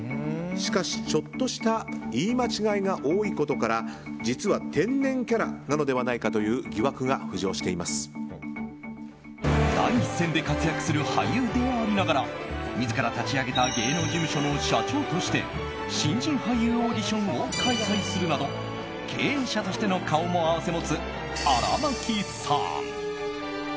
しかし、ちょっとした言い間違いが多いことから実は天然キャラなのではないかという第一線で活躍する俳優でありながら自ら立ち上げた芸能事務所の社長として新人俳優オーディションも開催するなど経営者としての顔も併せ持つ荒牧さん。